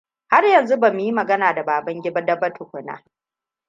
Har yanzu ba mu yi magana da Babangida ba tukuna.